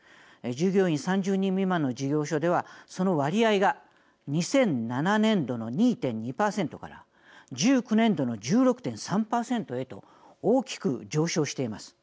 従業員３０人未満の事業所ではその割合が２００７年度の２．２％から１９年度の１６．３％へと大きく上昇しています。